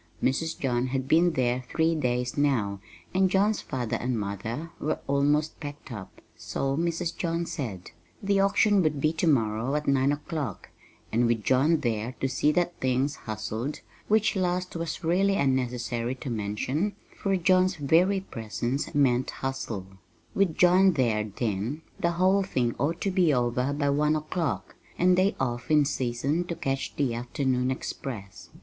Mrs. John had been there three days now, and John's father and mother were almost packed up so Mrs. John said. The auction would be to morrow at nine o'clock, and with John there to see that things "hustled" which last was really unnecessary to mention, for John's very presence meant "hustle" with John there, then, the whole thing ought to be over by one o'clock, and they off in season to 'catch the afternoon express.